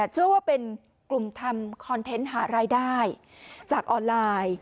เชื่อว่าเป็นกลุ่มทำคอนเทนต์หารายได้จากออนไลน์